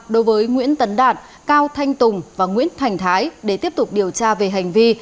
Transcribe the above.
đối với nguyễn tấn đạt cao thanh tùng và nguyễn thành thái để tiếp tục điều tra về hành vi